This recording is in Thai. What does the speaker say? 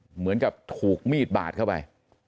เหมือนกับถูกมีดบาดเข้าไป